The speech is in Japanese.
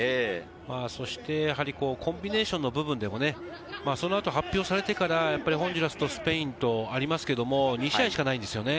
そして、コンビネーションの部分でも、その後、発表されてからホンジュラスとスペインと試合がありますけど、２試合しかないんですね。